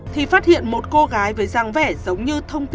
thì phát hiện một cô gái với ràng vẻ giống như thông tin tối